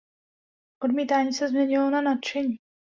Odmítání se změnilo na nadšení.